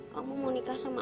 kamu yang menerima